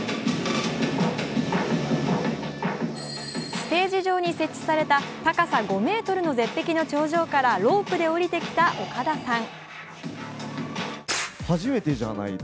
ステージ上に設置された高さ５ｍの絶壁の頂上からロープで下りてきた岡田さん。